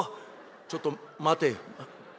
「ちょっと待てよ」。